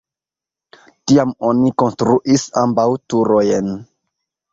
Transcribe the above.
Tiam oni konstruis ambaŭ turojn.